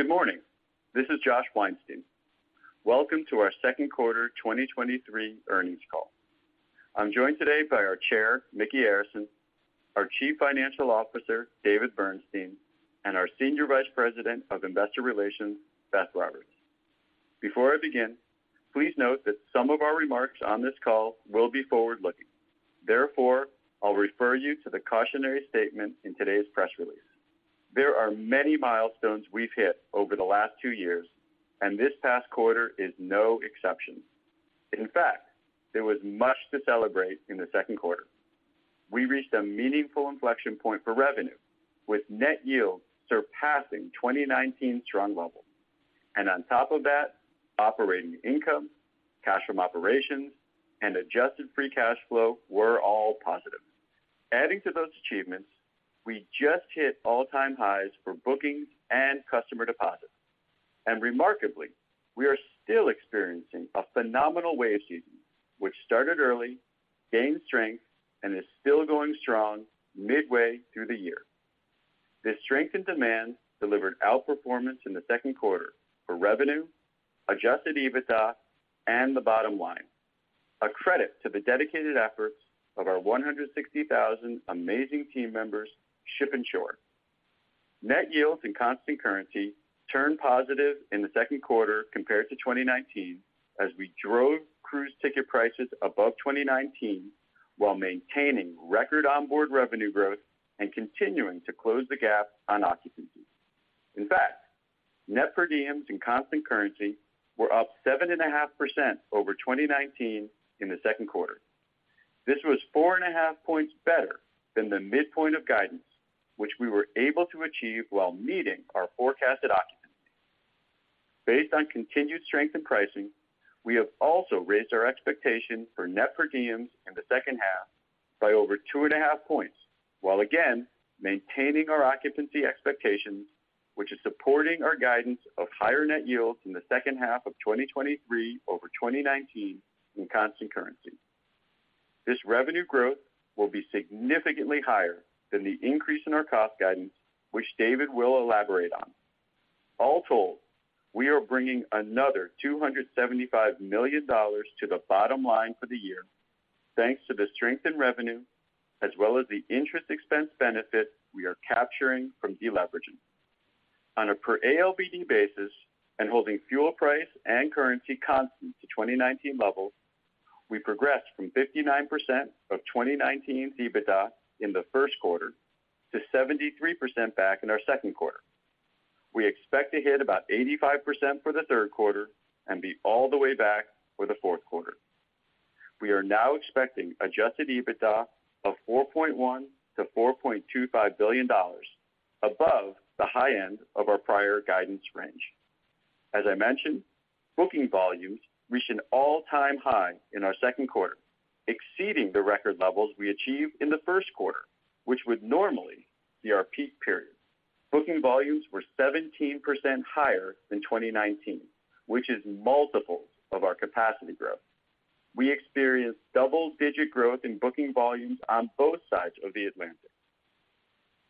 Good morning. This is Josh Weinstein. Welcome to our second quarter 2023 earnings call. I'm joined today by our Chair, Micky Arison, our Chief Financial Officer, David Bernstein, and our Senior Vice President of Investor Relations, Beth Roberts. Before I begin, please note that some of our remarks on this call will be forward-looking. I'll refer you to the cautionary statement in today's press release. There are many milestones we've hit over the last two years, this past quarter is no exception. In fact, there was much to celebrate in the second quarter. We reached a meaningful inflection point for revenue, with net yield surpassing 2019 strong levels. On top of that, operating income, cash from operations, and adjusted free cash flow were all positive. Adding to those achievements, we just hit all-time highs for bookings and customer deposits. Remarkably, we are still experiencing a phenomenal wave season, which started early, gained strength, and is still going strong midway through the year. This strengthened demand delivered outperformance in the second quarter for revenue, adjusted EBITDA, and the bottom line, a credit to the dedicated efforts of our 160,000 amazing team members, ship and shore. Net yields in constant currency turned positive in the second quarter compared to 2019, as we drove cruise ticket prices above 2019 while maintaining record onboard revenue growth and continuing to close the gap on occupancy. In fact, net per diems in constant currency were up 7.5% over 2019 in the second quarter. This was 4.5 points better than the midpoint of guidance, which we were able to achieve while meeting our forecasted occupancy. Based on continued strength in pricing, we have also raised our expectation for net per diems in the second half by over 2.5 points, while again, maintaining our occupancy expectations, which is supporting our guidance of higher net yields in the second half of 2023 over 2019 in constant currency. This revenue growth will be significantly higher than the increase in our cost guidance, which David will elaborate on. All told, we are bringing another $275 million to the bottom line for the year, thanks to the strength in revenue, as well as the interest expense benefit we are capturing from deleveraging. On a per ALBD basis and holding fuel price and currency constant to 2019 levels, we progressed from 59% of 2019's EBITDA in the first quarter to 73% back in our second quarter. We expect to hit about 85% for the third quarter and be all the way back for the fourth quarter. We are now expecting adjusted EBITDA of $4.1 billion-$4.25 billion, above the high end of our prior guidance range. As I mentioned, booking volumes reached an all-time high in our second quarter, exceeding the record levels we achieved in the first quarter, which would normally be our peak period. Booking volumes were 17% higher than 2019, which is multiples of our capacity growth. We experienced double-digit growth in booking volumes on both sides of the Atlantic.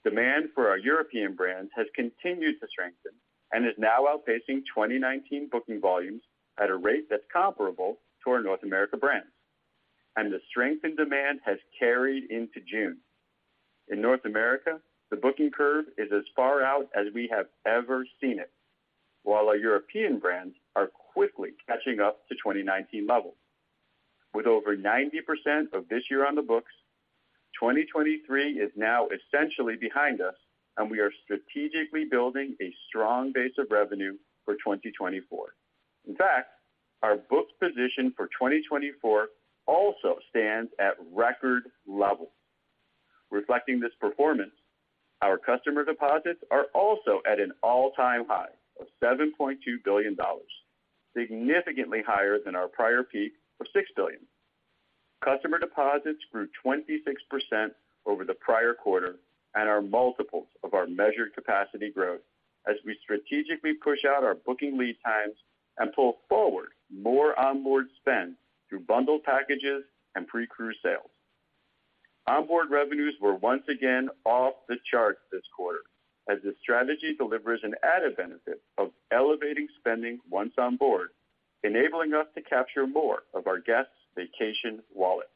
Demand for our European brands has continued to strengthen and is now outpacing 2019 booking volumes at a rate that's comparable to our North America brands, and the strength in demand has carried into June. In North America, the booking curve is as far out as we have ever seen it, while our European brands are quickly catching up to 2019 levels. With over 90% of this year on the books, 2023 is now essentially behind us, and we are strategically building a strong base of revenue for 2024. In fact, our books position for 2024 also stands at record levels. Reflecting this performance, our customer deposits are also at an all-time high of $7.2 billion, significantly higher than our prior peak of $6 billion. Customer deposits grew 26% over the prior quarter and are multiples of our measured capacity growth as we strategically push out our booking lead times and pull forward more onboard spend through bundle packages and pre-cruise sales. Onboard revenues were once again off the charts this quarter, as the strategy delivers an added benefit of elevating spending once on board, enabling us to capture more of our guests' vacation wallet.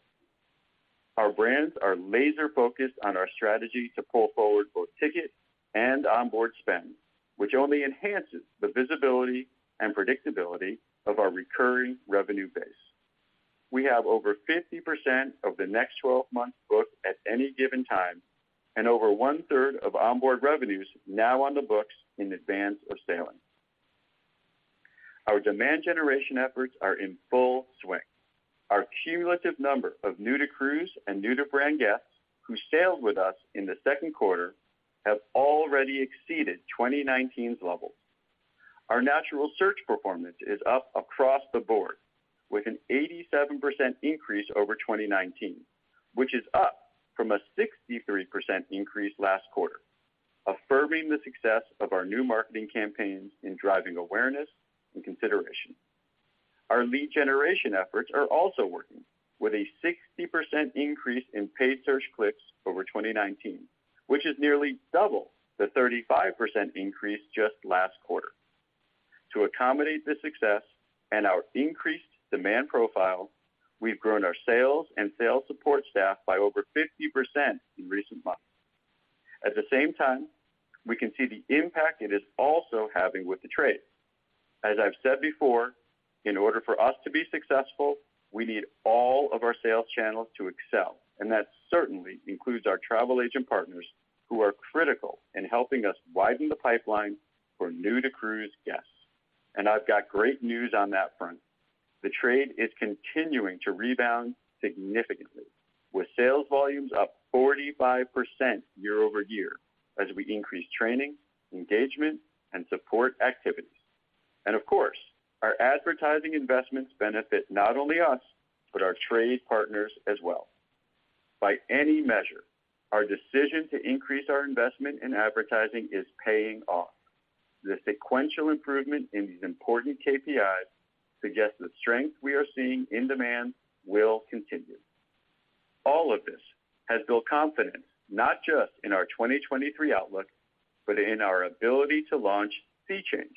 Our brands are laser-focused on our strategy to pull forward both ticket and onboard spend, which only enhances the visibility and predictability of our recurring revenue base. We have over 50% of the next 12 months booked at any given time and over one-third of onboard revenues now on the books in advance of sailing. Our demand generation efforts are in full swing. Our cumulative number of new-to-cruise and new-to-brand guests who sailed with us in the second quarter have already exceeded 2019's levels. Our natural search performance is up across the board, with an 87% increase over 2019, which is up from a 63% increase last quarter, affirming the success of our new marketing campaigns in driving awareness and consideration. Our lead generation efforts are also working, with a 60% increase in paid search clicks over 2019, which is nearly double the 35% increase just last quarter. To accommodate this success and our increased demand profile, we've grown our sales and sales support staff by over 50% in recent months. At the same time, we can see the impact it is also having with the trade. As I've said before, in order for us to be successful, we need all of our sales channels to excel, and that certainly includes our travel agent partners, who are critical in helping us widen the pipeline for new-to-cruise guests. I've got great news on that front. The trade is continuing to rebound significantly, with sales volumes up 45% year-over-year as we increase training, engagement, and support activities. Of course, our advertising investments benefit not only us, but our trade partners as well. By any measure, our decision to increase our investment in advertising is paying off. The sequential improvement in these important KPIs suggests the strength we are seeing in demand will continue. All of this has built confidence, not just in our 2023 outlook, but in our ability to launch SEA Change,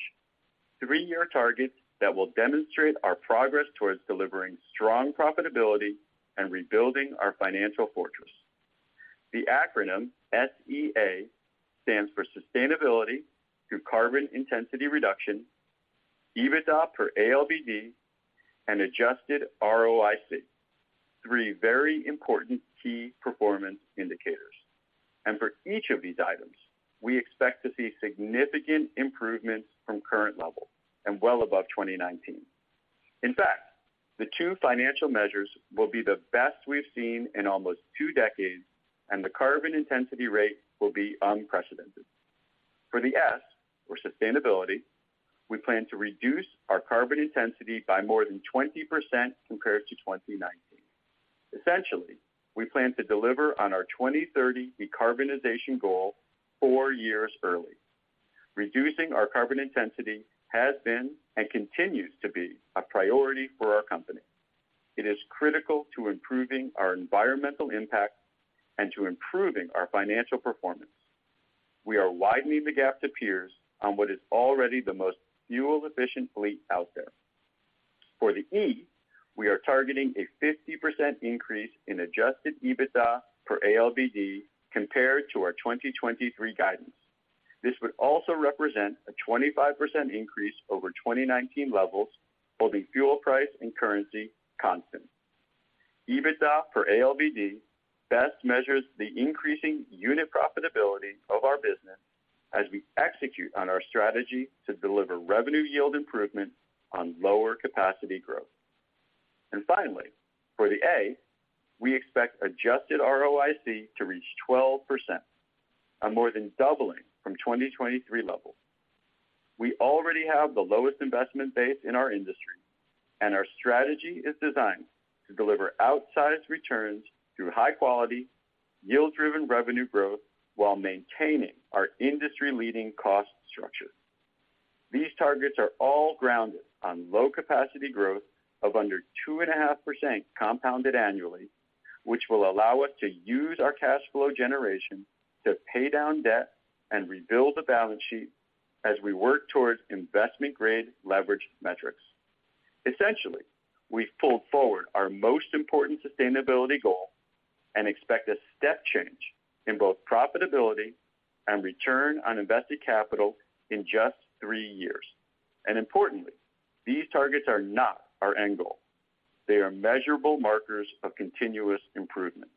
three year targets that will demonstrate our progress towards delivering strong profitability and rebuilding our financial fortress. The acronym SEA stands for Sustainability through carbon intensity reduction, EBITDA per ALBD, and adjusted ROIC, three very important key performance indicators. For each of these items, we expect to see significant improvements from current levels and well above 2019. In fact, the two financial measures will be the best we've seen in almost two decades, and the carbon intensity rate will be unprecedented. For the S, or sustainability, we plan to reduce our carbon intensity by more than 20% compared to 2019. Essentially, we plan to deliver on our 2030 decarbonization goal two years early. Reducing our carbon intensity has been, and continues to be, a priority for our company. It is critical to improving our environmental impact and to improving our financial performance. We are widening the gap to peers on what is already the most fuel-efficient fleet out there. For the E, we are targeting a 50% increase in adjusted EBITDA per ALBD compared to our 2023 guidance. This would also represent a 25% increase over 2019 levels, holding fuel price and currency constant. EBITDA per ALBD best measures the increasing unit profitability of our business as we execute on our strategy to deliver revenue yield improvement on lower capacity growth. Finally, for the A, we expect adjusted ROIC to reach 12%, a more than doubling from 2023 levels. We already have the lowest investment base in our industry, and our strategy is designed to deliver outsized returns through high quality, yield-driven revenue growth while maintaining our industry-leading cost structure. These targets are all grounded on low capacity growth of under 2.5% compounded annually, which will allow us to use our cash flow generation to pay down debt and rebuild the balance sheet as we work towards investment-grade leverage metrics. Essentially, we've pulled forward our most important sustainability goal and expect a step change in both profitability and return on invested capital in just three years. Importantly, these targets are not our end goal. They are measurable markers of continuous improvement.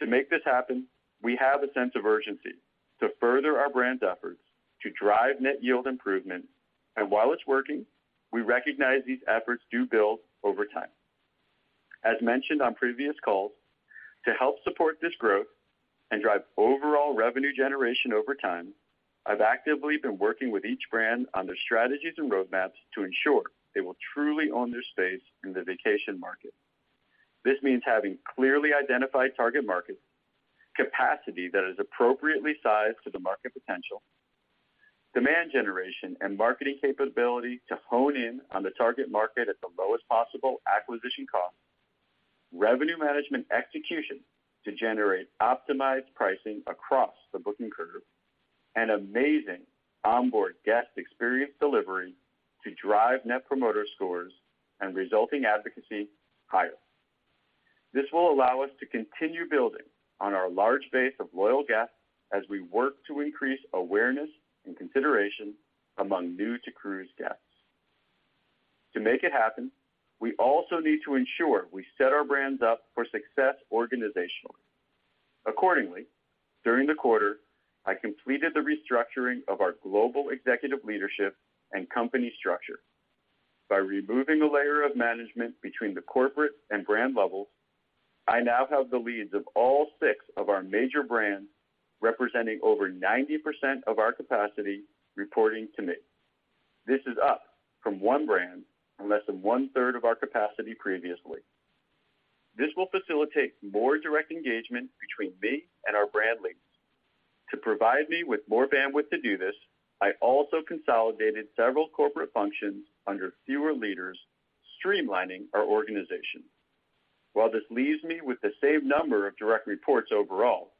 To make this happen, we have a sense of urgency to further our brand's efforts to drive net yield improvement. While it's working, we recognize these efforts do build over time. As mentioned on previous calls, to help support this growth and drive overall revenue generation over time, I've actively been working with each brand on their strategies and roadmaps to ensure they will truly own their space in the vacation market. This means having clearly identified target markets, capacity that is appropriately sized to the market potential, demand generation and marketing capability to hone in on the target market at the lowest possible acquisition cost, revenue management execution to generate optimized pricing across the booking curve, and amazing onboard guest experience delivery to drive Net Promoter Scores and resulting advocacy higher. This will allow us to continue building on our large base of loyal guests as we work to increase awareness and consideration among new-to-cruise guests. To make it happen, we also need to ensure we set our brands up for success organizationally. During the quarter, I completed the restructuring of our global executive leadership and company structure. By removing a layer of management between the corporate and brand levels, I now have the leads of all six of our major brands, representing over 90% of our capacity, reporting to me. This is up from 1 brand and less than 1/3 of our capacity previously. This will facilitate more direct engagement between me and our brand leads. To provide me with more bandwidth to do this, I also consolidated several corporate functions under fewer leaders, streamlining our organization. While this leaves me with the same number of direct reports overall,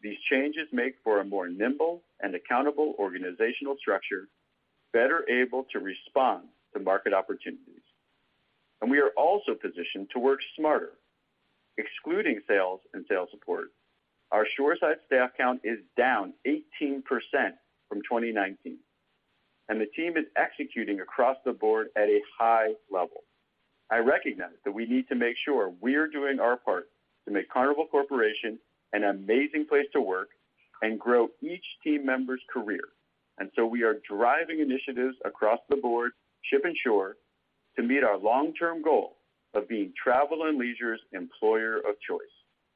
these changes make for a more nimble and accountable organizational structure, better able to respond to market opportunities. We are also positioned to work smarter. Excluding sales and sales support, our shoreside staff count is down 18% from 2019, and the team is executing across the board at a high level. I recognize that we need to make sure we are doing our part to make Carnival Corporation an amazing place to work and grow each team member's career. We are driving initiatives across the board, ship and shore, to meet our long-term goal of being travel and leisure's employer of choice,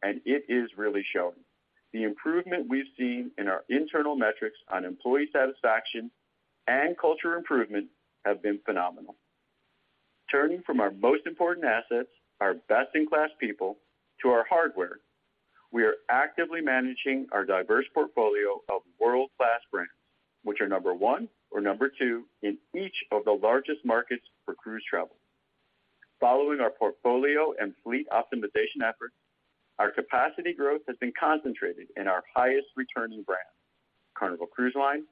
and it is really showing. The improvement we've seen in our internal metrics on employee satisfaction and culture improvement have been phenomenal. Turning from our most important assets, our best-in-class people, to our hardware, we are actively managing our diverse portfolio of world-class brands, which are number one or number two in each of the largest markets for cruise travel. Following our portfolio and fleet optimization efforts, our capacity growth has been concentrated in our highest-returning brands, Carnival Cruise Line,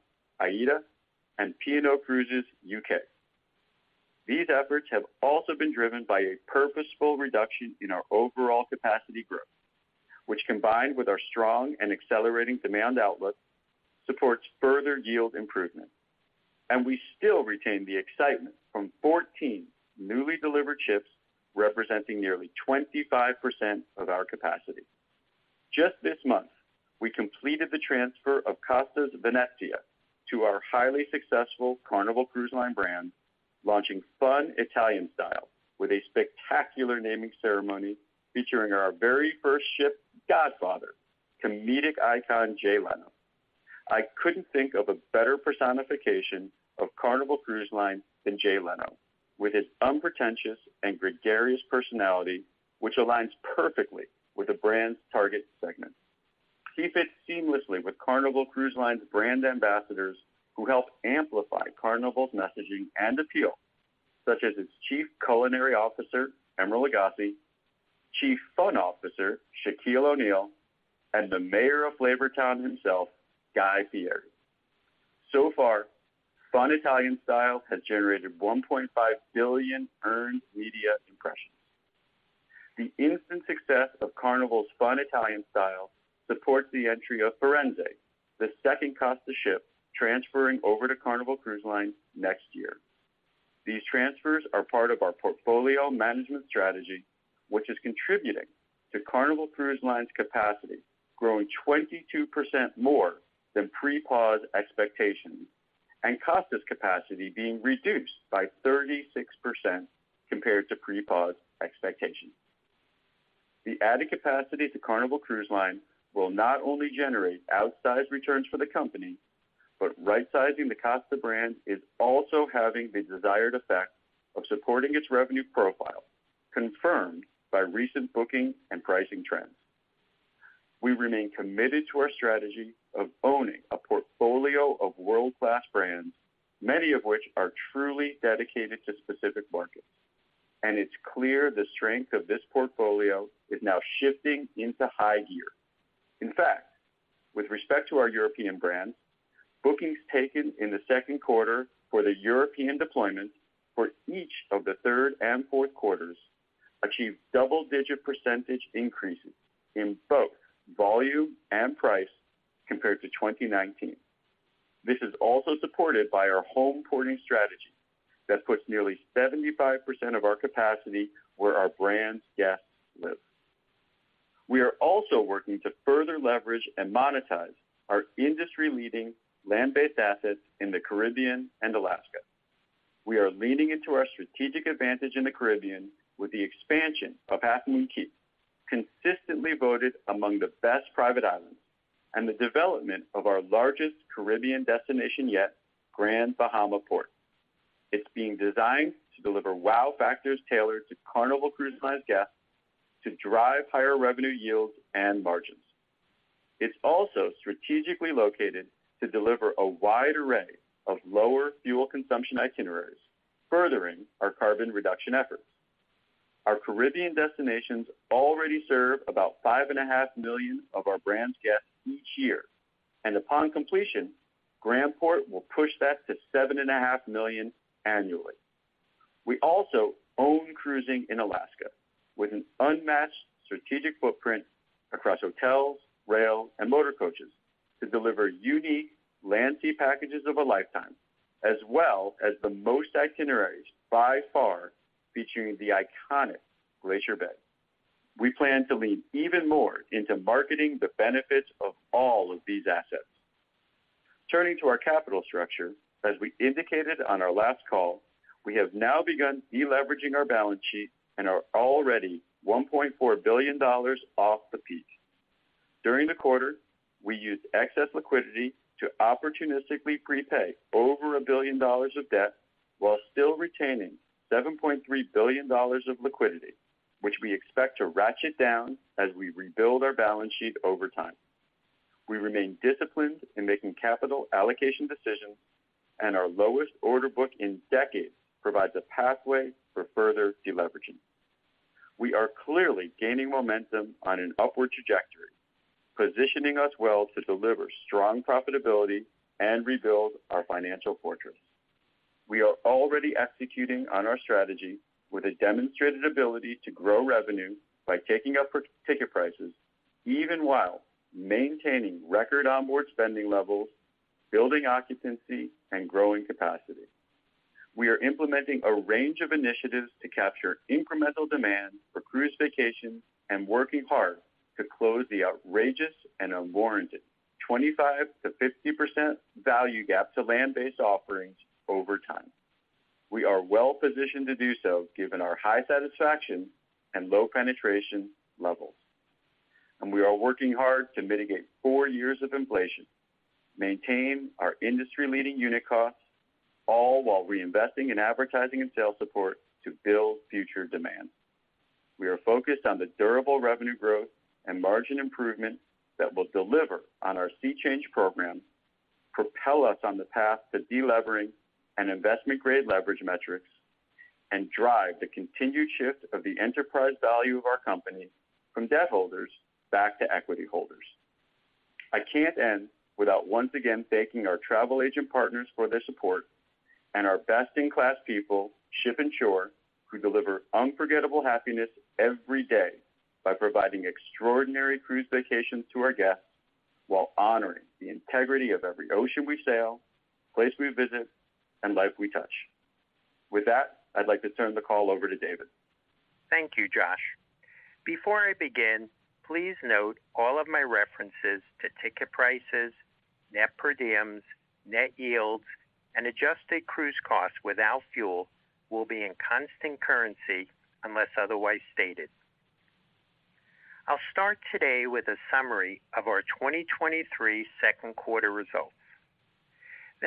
AIDA, and P&O Cruises UK. These efforts have also been driven by a purposeful reduction in our overall capacity growth, which, combined with our strong and accelerating demand outlook, supports further yield improvement, and we still retain the excitement from 14 newly delivered ships, representing nearly 25% of our capacity. Just this month, we completed the transfer of Costa's Venezia to our highly successful Carnival Cruise Line brand, launching Fun Italian Style with a spectacular naming ceremony featuring our very first ship godfather, comedic icon, Jay Leno. I couldn't think of a better personification of Carnival Cruise Line than Jay Leno, with his unpretentious and gregarious personality, which aligns perfectly with the brand's target segment. He fits seamlessly with Carnival Cruise Line's brand ambassadors, who help amplify Carnival's messaging and appeal, such as its Chief Culinary Officer, Emeril Lagasse, Chief Fun Officer, Shaquille O'Neal, and the Mayor of Flavortown himself, Guy Fieri. So far, Fun Italian Style has generated $1.5 billion earned media impressions. The instant success of Carnival's Fun Italian Style supports the entry of Firenze, the second Costa ship, transferring over to Carnival Cruise Line next year. These transfers are part of our portfolio management strategy, which is contributing to Carnival Cruise Line's capacity, growing 22% more than pre-pause expectations, and Costa's capacity being reduced by 36% compared to pre-pause expectations. The added capacity to Carnival Cruise Line will not only generate outsized returns for the company, but right-sizing the Costa brand is also having the desired effect of supporting its revenue profile, confirmed by recent booking and pricing trends. We remain committed to our strategy of owning a portfolio of world-class brands, many of which are truly dedicated to specific markets, and it's clear the strength of this portfolio is now shifting into high gear. In fact, with respect to our European brands, bookings taken in the second quarter for the European deployment for each of the third and fourth quarters achieved double-digit % increases in both volume and price compared to 2019. This is also supported by our home porting strategy that puts nearly 75% of our capacity where our brands' guests live. We are also working to further leverage and monetize our industry-leading land-based assets in the Caribbean and Alaska. We are leaning into our strategic advantage in the Caribbean with the expansion of Half Moon Cay, consistently voted among the best private islands, and the development of our largest Caribbean destination yet, Grand Bahama port. It's being designed to deliver wow factors tailored to Carnival Cruise Line guests to drive higher revenue yields and margins. It's also strategically located to deliver a wide array of lower fuel consumption itineraries, furthering our carbon reduction efforts. Our Caribbean destinations already serve about 5.5 million of our brand's guests each year, and upon completion, Grand Bahama will push that to 7.5 million annually. We also own cruising in Alaska with an unmatched strategic footprint across hotels, rail, and motor coaches to deliver unique land-sea packages of a lifetime, as well as the most itineraries by far, featuring the iconic Glacier Bay. We plan to lean even more into marketing the benefits of all of these assets. Turning to our capital structure, as we indicated on our last call, we have now begun deleveraging our balance sheet and are already $1.4 billion off the peak.... During the quarter, we used excess liquidity to opportunistically prepay over $1 billion of debt, while still retaining $7.3 billion of liquidity, which we expect to ratchet down as we rebuild our balance sheet over time. We remain disciplined in making capital allocation decisions, our lowest order book in decades provides a pathway for further deleveraging. We are clearly gaining momentum on an upward trajectory, positioning us well to deliver strong profitability and rebuild our financial fortress. We are already executing on our strategy with a demonstrated ability to grow revenue by taking up per ticket prices, even while maintaining record onboard spending levels, building occupancy and growing capacity. We are implementing a range of initiatives to capture incremental demand for cruise vacations and working hard to close the outrageous and unwarranted 25%-50% value gap to land-based offerings over time. We are well positioned to do so, given our high satisfaction and low penetration levels, and we are working hard to mitigate four years of inflation, maintain our industry-leading unit costs, all while reinvesting in advertising and sales support to build future demand. We are focused on the durable revenue growth and margin improvement that will deliver on our SEA Change program, propel us on the path to delevering and investment-grade leverage metrics, and drive the continued shift of the enterprise value of our company from debt holders back to equity holders. I can't end without once again thanking our travel agent partners for their support and our best-in-class people, ship and shore, who deliver unforgettable happiness every day by providing extraordinary cruise vacations to our guests while honoring the integrity of every ocean we sail, place we visit, and life we touch. With that, I'd like to turn the call over to David. Thank you, Josh. Before I begin, please note all of my references to ticket prices, net per diems, net yields, and adjusted cruise costs without fuel will be in constant currency unless otherwise stated. I'll start today with a summary of our 2023 second quarter results.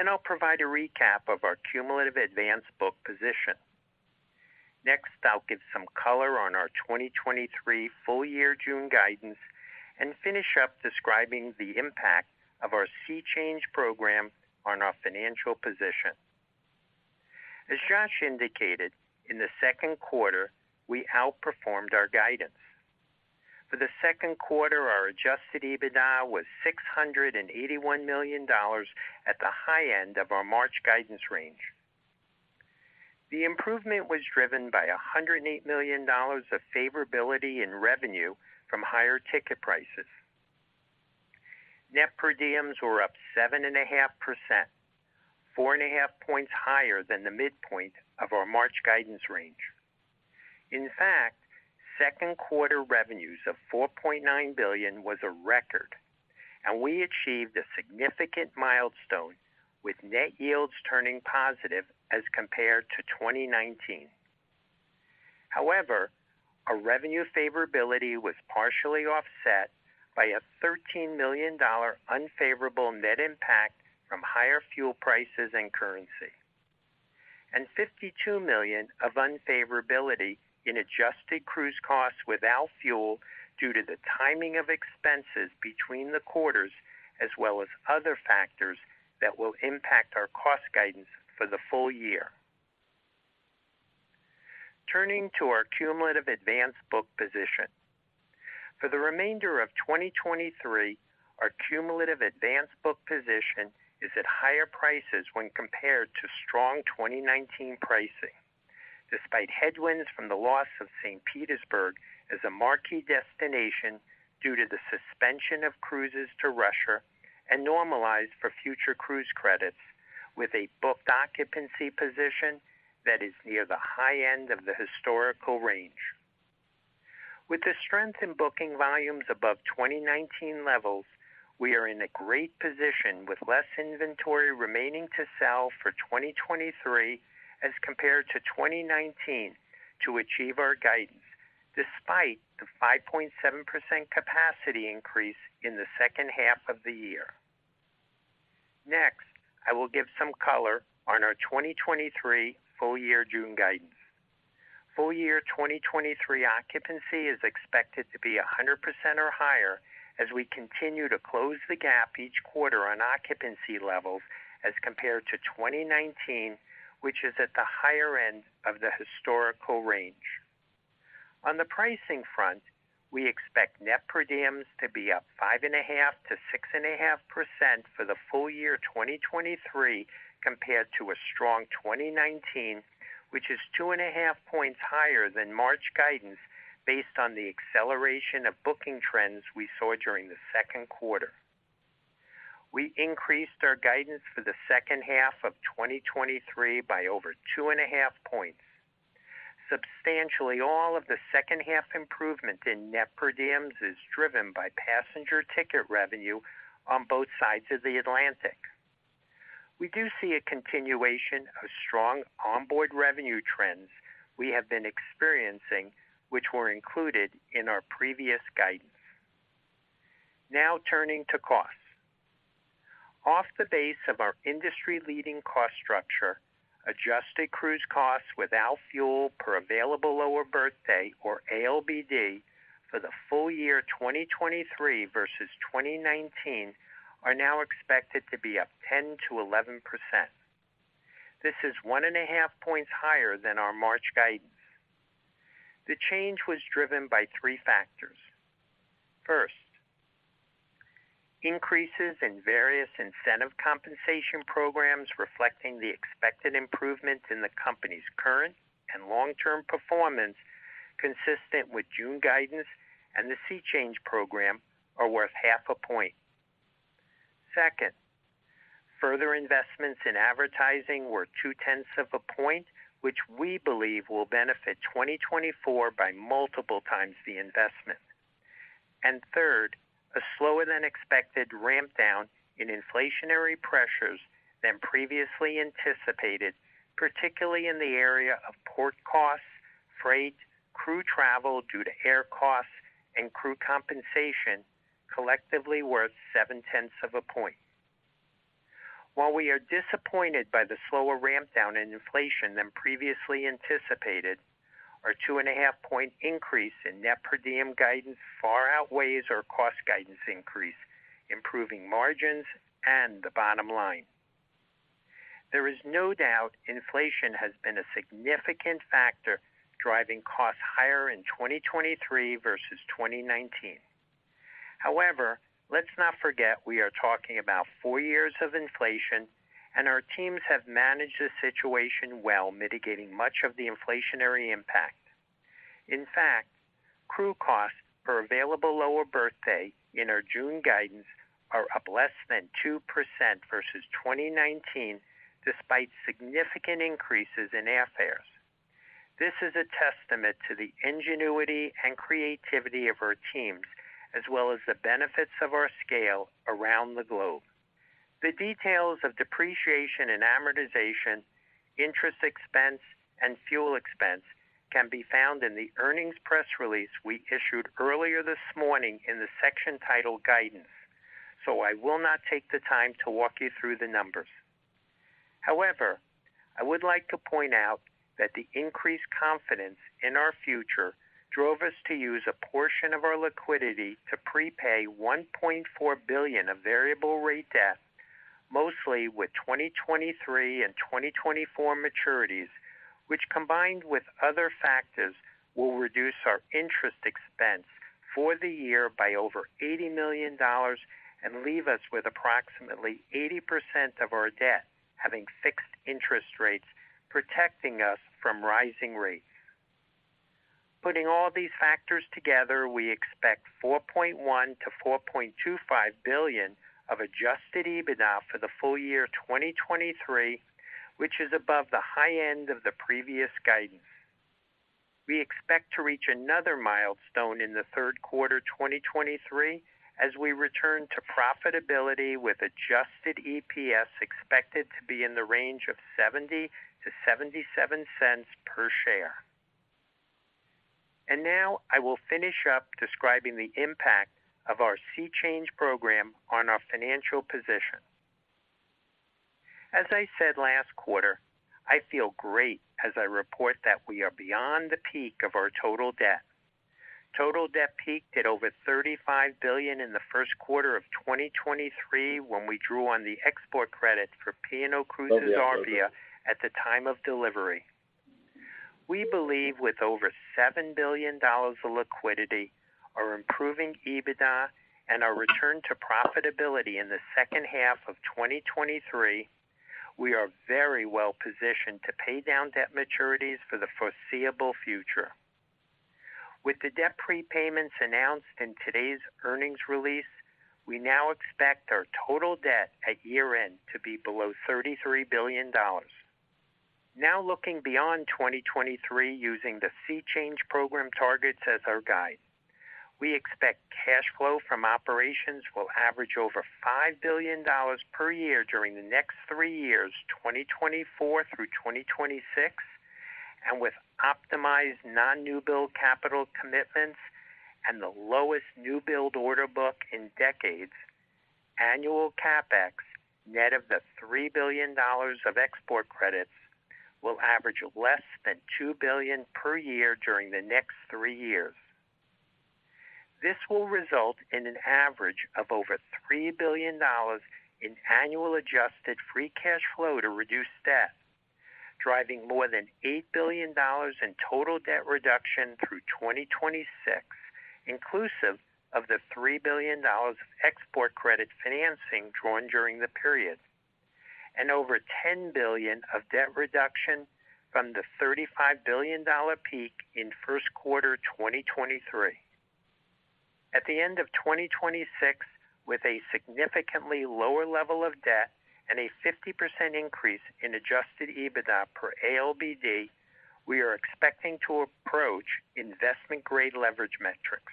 I'll provide a recap of our cumulative advance book position. I'll give some color on our 2023 full-year June guidance and finish up describing the impact of our SEA Change program on our financial position. Josh indicated, in the second quarter, we outperformed our guidance. For the second quarter, our adjusted EBITDA was $681 million at the high end of our March guidance range. The improvement was driven by $108 million of favorability in revenue from higher ticket prices. Net per diems were up 7.5%, 4.5 points higher than the midpoint of our March guidance range. In fact, second quarter revenues of $4.9 billion was a record, and we achieved a significant milestone with net yields turning positive as compared to 2019. However, our revenue favorability was partially offset by a $13 million unfavorable net impact from higher fuel prices and currency, and $52 million of unfavorability in adjusted cruise costs without fuel, due to the timing of expenses between the quarters, as well as other factors that will impact our cost guidance for the full year. Turning to our cumulative advance book position. For the remainder of 2023, our cumulative advance book position is at higher prices when compared to strong 2019 pricing, despite headwinds from the loss of St. Petersburg as a marquee destination due to the suspension of cruises to Russia and normalized for future cruise credits with a booked occupancy position that is near the high end of the historical range. With the strength in booking volumes above 2019 levels, we are in a great position with less inventory remaining to sell for 2023 as compared to 2019 to achieve our guidance despite the 5.7% capacity increase in the second half of the year. I will give some color on our 2023 full-year June guidance. Full year 2023 occupancy is expected to be 100% or higher as we continue to close the gap each quarter on occupancy levels as compared to 2019, which is at the higher end of the historical range. On the pricing front, we expect net per diems to be up 5.5%-6.5% for the full year 2023, compared to a strong 2019, which is 2.5 points higher than March guidance, based on the acceleration of booking trends we saw during the second quarter. We increased our guidance for the second half of 2023 by over 2.5 points. Substantially all of the second-half improvement in net per diems is driven by passenger ticket revenue on both sides of the Atlantic. We do see a continuation of strong onboard revenue trends we have been experiencing, which were included in our previous guidance. Now turning to costs. Off the base of our industry-leading cost structure, adjusted cruise costs without fuel per available lower berth day, or ALBD, for the full year 2023 versus 2019, are now expected to be up 10%-11%. This is 1.5 points higher than our March guidance. The change was driven by three factors: First, increases in various incentive compensation programs reflecting the expected improvements in the company's current and long-term performance, consistent with June guidance and the SEA Change program, are worth 0.5 points. Second, further investments in advertising were 0.2 points, which we believe will benefit 2024 by multiple times the investment. Third, a slower-than-expected ramp down in inflationary pressures than previously anticipated, particularly in the area of port costs, freight, crew travel due to air costs, and crew compensation, collectively worth 0.7 points. While we are disappointed by the slower ramp down in inflation than previously anticipated, our 2.5-point increase in net per diem guidance far outweighs our cost guidance increase, improving margins and the bottom line. There is no doubt inflation has been a significant factor, driving costs higher in 2023 versus 2019. However, let's not forget we are talking about four years of inflation, and our teams have managed the situation well, mitigating much of the inflationary impact. In fact, crew costs per available lower berth day in our June guidance are up less than 2% versus 2019, despite significant increases in airfares. This is a testament to the ingenuity and creativity of our teams, as well as the benefits of our scale around the globe. The details of depreciation and amortization, interest expense, and fuel expense can be found in the earnings press release we issued earlier this morning in the section titled "Guidance," I will not take the time to walk you through the numbers. However, I would like to point out that the increased confidence in our future drove us to use a portion of our liquidity to prepay $1.4 billion of variable rate debt, mostly with 2023 and 2024 maturities, which, combined with other factors, will reduce our interest expense for the year by over $80 million and leave us with approximately 80% of our debt, having fixed interest rates, protecting us from rising rates. Putting all these factors together, we expect $4.1 billion-$4.25 billion of adjusted EBITDA for the full year 2023, which is above the high end of the previous guidance. We expect to reach another milestone in the third quarter 2023, as we return to profitability with adjusted EPS expected to be in the range of $0.70-$0.77 per share. Now I will finish up describing the impact of our SEA Change program on our financial position. As I said last quarter, I feel great as I report that we are beyond the peak of our total debt. Total debt peaked at over $35 billion in the first quarter of 2023, when we drew on the export credits for P&O Cruises Arvia at the time of delivery. We believe with over $7 billion of liquidity, our improving EBITDA, and our return to profitability in the second half of 2023, we are very well positioned to pay down debt maturities for the foreseeable future. With the debt prepayments announced in today's earnings release, we now expect our total debt at year-end to be below $33 billion. Looking beyond 2023, using the SEA Change program targets as our guide, we expect cash flow from operations will average over $5 billion per year during the next three years, 2024 through 2026. With optimized non-new build capital commitments and the lowest new build order book in decades, annual CapEx, net of the $3 billion of export credits, will average less than $2 billion per year during the next three years. This will result in an average of over $3 billion in annual adjusted free cash flow to reduce debt, driving more than $8 billion in total debt reduction through 2026, inclusive of the $3 billion of export credit financing drawn during the period, and over $10 billion of debt reduction from the $35 billion peak in first quarter 2023. At the end of 2026, with a significantly lower level of debt and a 50% increase in adjusted EBITDA per ALBD, we are expecting to approach investment-grade leverage metrics.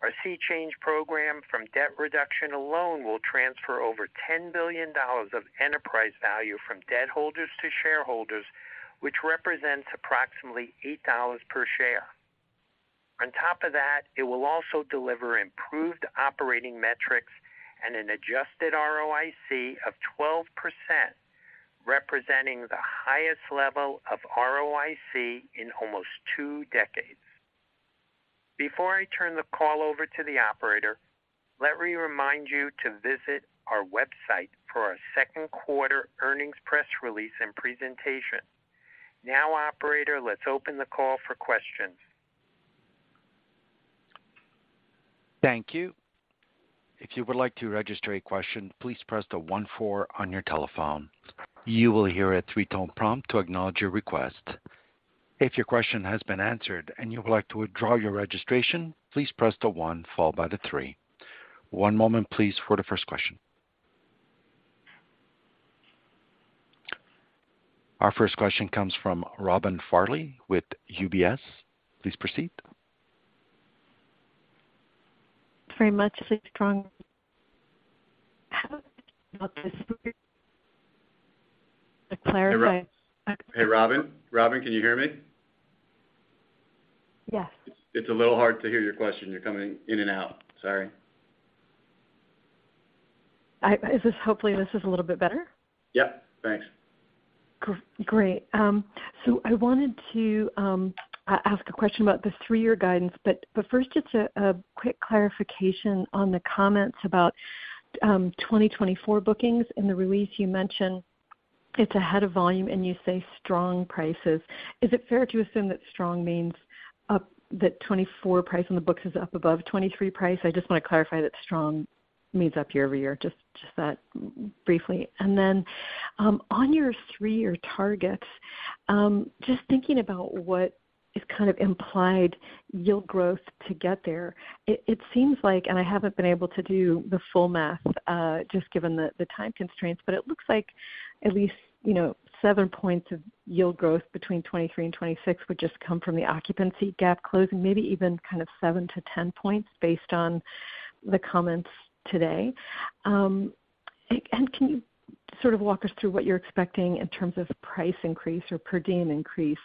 Our SEA Change program from debt reduction alone will transfer over $10 billion of enterprise value from debt holders to shareholders, which represents approximately $8 per share. On top of that, it will also deliver improved operating metrics and an adjusted ROIC of 12%, representing the highest level of ROIC in almost two decades. Before I turn the call over to the operator, let me remind you to visit our website for our second quarter earnings press release and presentation. Now, operator, let's open the call for questions. Thank you. If you would like to register a question, please press the 1 4 on your telephone. You will hear a 3-tone prompt to acknowledge your request. If your question has been answered and you would like to withdraw your registration, please press the 1 followed by the 3. One moment, please, for the first question. Our first question comes from Robin Farley with UBS. Please proceed. Very much. Please, strong. How about this? Hey, Robin. Robin, can you hear me? Yes. It's a little hard to hear your question. You're coming in and out. Sorry. Is this hopefully, this is a little bit better? Yep, thanks. Great. I wanted to ask a question about the three-year guidance, first, it's a quick clarification on the comments about 2024 bookings. In the release, you mentioned it's ahead of volume and you say strong prices. Is it fair to assume that strong means up, that 2024 price on the books is up above 2023 price? I just want to clarify that strong means up year over year, just that briefly. On your three year targets, just thinking about what is kind of implied yield growth to get there, it seems like, and I haven't been able to do the full math, just given the time constraints, but it looks like at least, you know, seven points of yield growth between 2023 and 2026 would just come from the occupancy gap closing, maybe even kind of 7-10 points, based on the comments today. Can you sort of walk us through what you're expecting in terms of price increase or per diem increase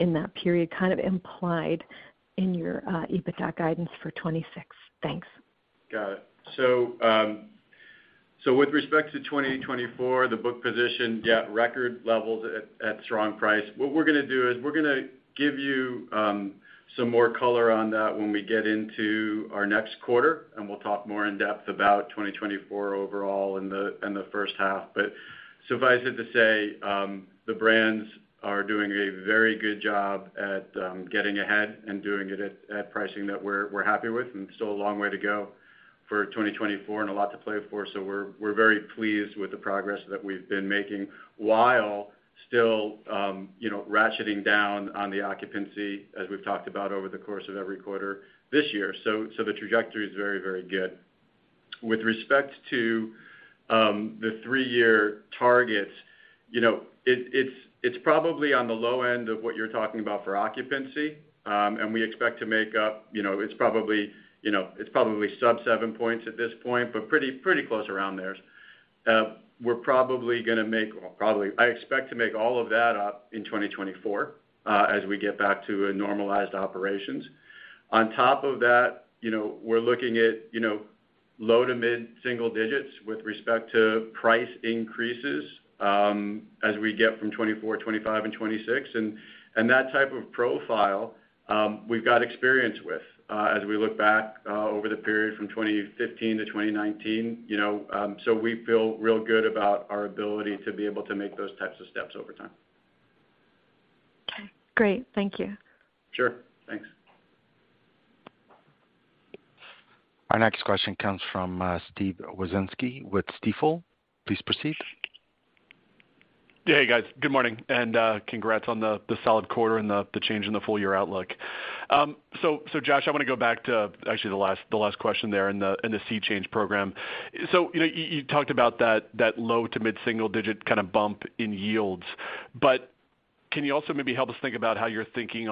in that period, kind of implied in your EBITDA guidance for 2026? Thanks. Got it. With respect to 2024, the book position, yeah, record levels at strong price. What we're going to do is we're going to give you some more color on that when we get into our next quarter, and we'll talk more in depth about 2024 overall in the first half. Suffice it to say, the brands are doing a very good job at getting ahead and doing it at pricing that we're happy with, and still a long way to go for 2024, and a lot to play for. We're very pleased with the progress that we've been making, while still, you know, ratcheting down on the occupancy, as we've talked about over the course of every quarter this year. The trajectory is very good. With respect to, the three-year targets, you know, it's, it's probably on the low end of what you're talking about for occupancy, and we expect to make up, you know, it's probably sub seven points at this point, but pretty close around there. I expect to make all of that up in 2024, as we get back to a normalized operations. On top of that, you know, we're looking at, you know, low to mid single digits with respect to price increases, as we get from 2024, 2025, and 2026. And that type of profile, we've got experience with, as we look back over the period from 2015 to 2019, you know, so we feel real good about our ability to be able to make those types of steps over time. Okay, great. Thank you. Sure. Thanks. Our next question comes from Steven Wieczynski with Stifel. Please proceed. Hey, guys. Good morning, and congrats on the solid quarter and the change in the full-year outlook. Josh, I want to go back to actually the last question there in the SEA Change program. You know, you talked about that low to mid single-digit kind of bump in yields, but can you also maybe help us think about how you're thinking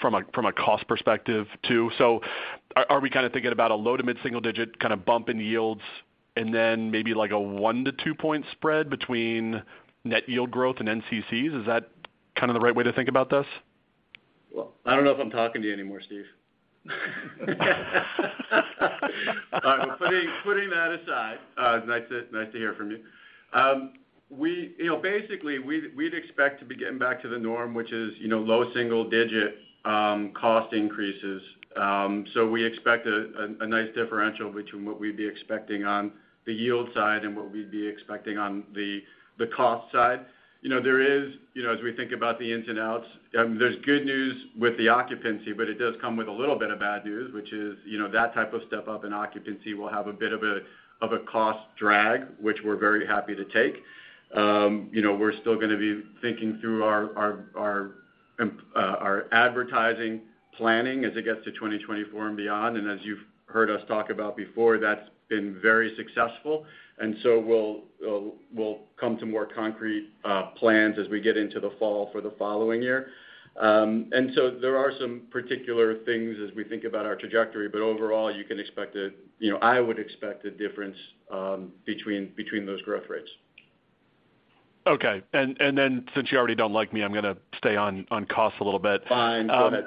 from a cost perspective, too? Are we kind of thinking about a low to mid single-digit kind of bump in yields and then maybe like a 1-2 point spread between net yield growth and NCCs? Is that kind of the right way to think about this? Well, I don't know if I'm talking to you anymore, Steve. All right, well, putting that aside, nice to hear from you. We, you know, basically, we'd expect to be getting back to the norm, which is, you know, low single digit cost increases. We expect a nice differential between what we'd be expecting on the yield side and what we'd be expecting on the cost side. You know, there is, you know, as we think about the ins and outs, there's good news with the occupancy, but it does come with a little bit of bad news, which is, you know, that type of step up in occupancy will have a bit of a cost drag, which we're very happy to take. You know, we're still going to be thinking through our... Our advertising planning as it gets to 2024 and beyond. As you've heard us talk about before, that's been very successful, and so we'll come to more concrete plans as we get into the fall for the following year. There are some particular things as we think about our trajectory, but overall, you can expect a, you know, I would expect a difference between those growth rates. Okay. Since you already don't like me, I'm gonna stay on cost a little bit. Fine, go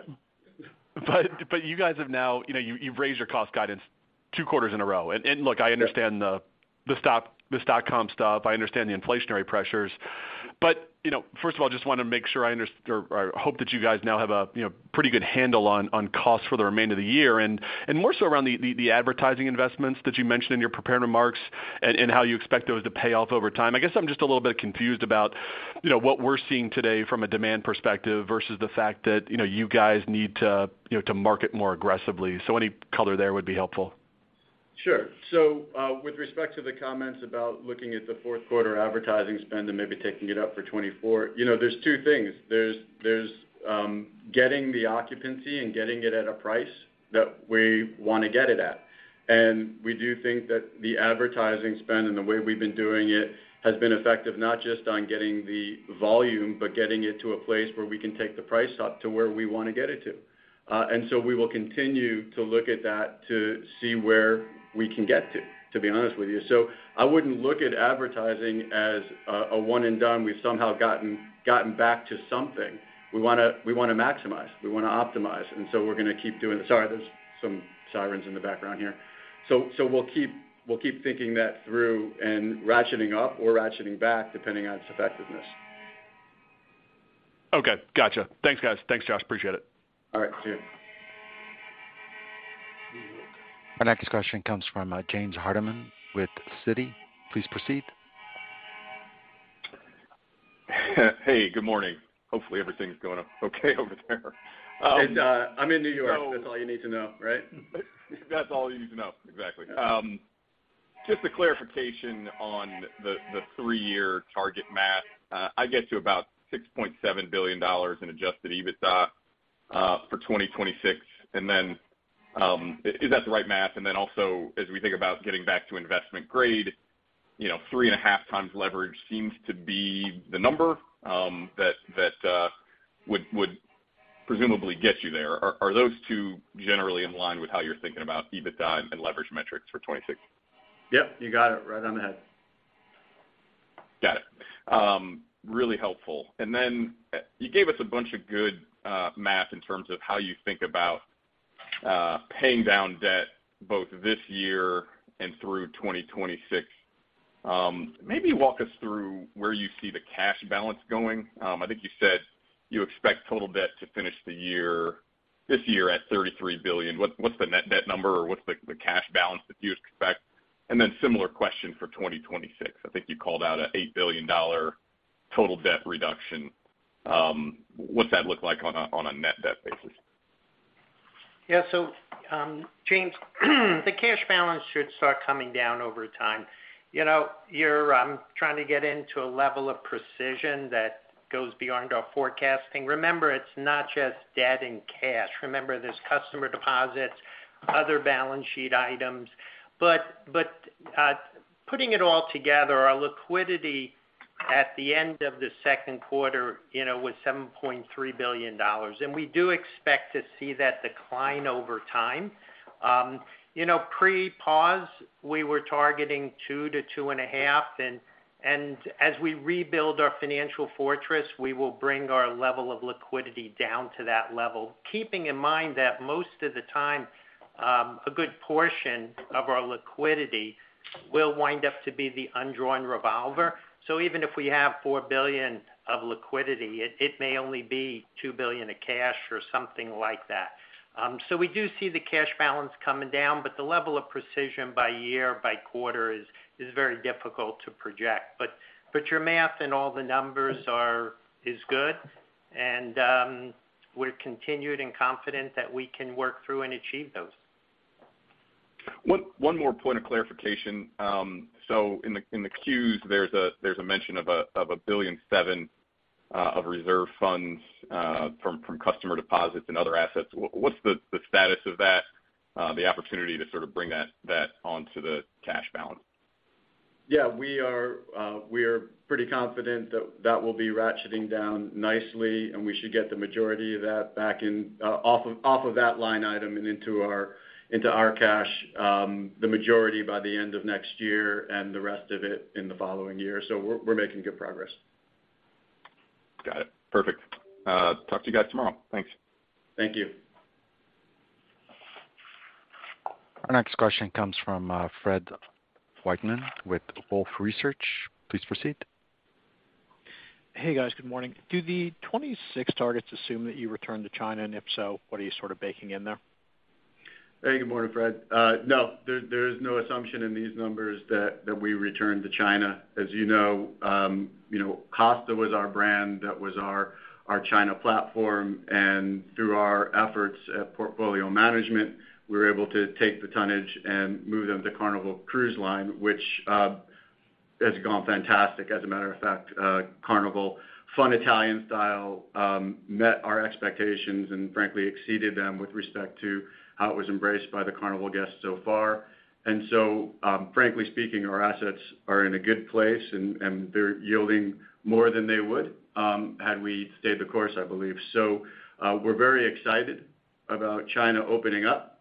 ahead. You guys have now, you know, you've raised your cost guidance two quarters in a row. Look, I understand the stock, the dotcom stuff, I understand the inflationary pressures. You know, first of all, just wanna make sure I or I hope that you guys now have a, you know, pretty good handle on costs for the remainder of the year, and more so around the advertising investments that you mentioned in your prepared remarks and how you expect those to pay off over time. I guess I'm just a little bit confused about, you know, what we're seeing today from a demand perspective versus the fact that, you know, you guys need to, you know, to market more aggressively. Any color there would be helpful. Sure. With respect to the comments about looking at the fourth quarter advertising spend and maybe taking it up for 2024, you know, there's two things. There's getting the occupancy and getting it at a price that we wanna get it at. We do think that the advertising spend and the way we've been doing it has been effective, not just on getting the volume, but getting it to a place where we can take the price up to where we wanna get it to. We will continue to look at that to see where we can get to be honest with you. I wouldn't look at advertising as a one and done. We've somehow gotten back to something. We wanna maximize, we wanna optimize. We're gonna keep doing... Sorry, there's some sirens in the background here. We'll keep thinking that through and ratcheting up or ratcheting back, depending on its effectiveness. Okay, gotcha. Thanks, guys. Thanks, Josh. Appreciate it. All right, see you. Our next question comes from James Hardiman with Citi. Please proceed. Hey, good morning. Hopefully, everything's going okay over there. It's, I'm in New York. That's all you need to know, right? That's all you need to know, exactly. Just a clarification on the three-year target math. I get to about $6.7 billion in adjusted EBITDA for 2026, and then is that the right math? As we think about getting back to investment grade, you know, 3.5 times leverage seems to be the number that would presumably get you there. Are those two generally in line with how you're thinking about EBITDA and leverage metrics for 2026? Yep, you got it right on the head. Got it. really helpful. Then you gave us a bunch of good math in terms of how you think about paying down debt both this year and through 2026. Maybe walk us through where you see the cash balance going. I think you said you expect total debt to finish the year, this year at $33 billion. What's the net debt number or what's the cash balance that you expect? Then similar question for 2026. I think you called out an $8 billion total debt reduction. What's that look like on a, on a net debt basis? James, the cash balance should start coming down over time. You're trying to get into a level of precision that goes beyond our forecasting. Remember, it's not just debt and cash. Remember, there's customer deposits, other balance sheet items. Putting it all together, our liquidity at the end of the second quarter, you know, was $7.3 billion, and we do expect to see that decline over time. Pre-pause, we were targeting $2 billion-$2.5 billion, and as we rebuild our financial fortress, we will bring our level of liquidity down to that level. Keeping in mind that most of the time, a good portion of our liquidity will wind up to be the undrawn revolver. Even if we have $4 billion of liquidity, it may only be $2 billion of cash or something like that. We do see the cash balance coming down, but the level of precision by year, by quarter is very difficult to project. Your math and all the numbers is good, and we're continued and confident that we can work through and achieve those. One more point of clarification. So in the queues, there's a mention of a $1.7 billion of reserve funds from customer deposits and other assets. What's the status of that, the opportunity to sort of bring that onto the cash balance? Yeah, we are pretty confident that that will be ratcheting down nicely, and we should get the majority of that back in off of that line item and into our cash, the majority by the end of next year and the rest of it in the following year. We're making good progress. Got it. Perfect. Talk to you guys tomorrow. Thanks. Thank you. Our next question comes from Fred Wightman with Wolfe Research. Please proceed. Hey, guys. Good morning. Do the 26 targets assume that you return to China? If so, what are you sort of baking in there? Hey, good morning, Fred. No, there is no assumption in these numbers that we return to China. As you know, Costa was our brand, that was our China platform, and through our efforts at portfolio management, we were able to take the tonnage and move them to Carnival Cruise Line, which has gone fantastic. As a matter of fact, Carnival Fun Italian Style met our expectations and frankly exceeded them with respect to how it was embraced by the Carnival guests so far. Frankly speaking, our assets are in a good place, and they're yielding more than they would had we stayed the course, I believe. We're very excited about China opening up